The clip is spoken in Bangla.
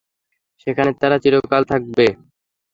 সেখানে তারা চিরকাল থাকবে।